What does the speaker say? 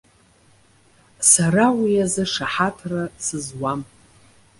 Сара уи азы шаҳаҭра сызуам.